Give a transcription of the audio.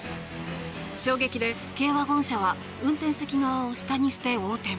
衝撃で、軽ワゴン車は運転席側を下にして横転。